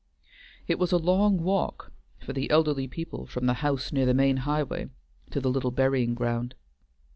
It was a long walk for the elderly people from the house near the main highway to the little burying ground.